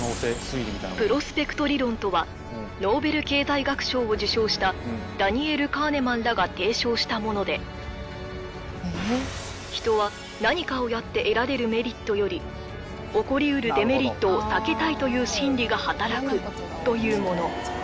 プロスペクト理論とはノーベル経済学賞を受賞したダニエル・カーネマンらが提唱したもので人は何かをやって得られるメリットより起こりうるデメリットを避けたいという心理が働くというもの